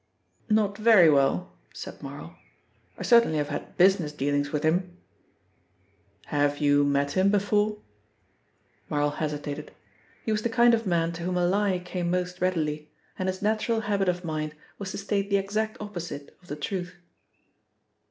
"Not very well," said Marl. "I certainly have had business dealings with him." "Have you met him before?" Marl hesitated. He was the kind of man to whom a lie came most readily, and his natural habit of mind was to state the exact opposite of the truth.